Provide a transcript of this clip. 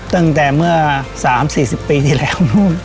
ตั้งแต่เมื่อ๓๔๐ปีที่แล้ว